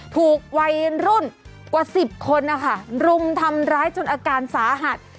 ถูกวัยรุ่นกว่า๑๐คนนะคะรุมทำร้ายจนอาการสาหัส